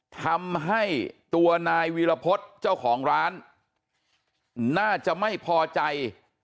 ทำให้ตัวนายวีรพฤษเจ้าของร้านน่าจะไม่พอใจ